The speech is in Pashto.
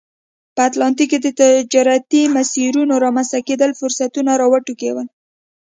په اتلانتیک کې د تجارتي مسیرونو رامنځته کېدل فرصتونه را وټوکول.